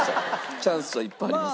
チャンスはいっぱいあります。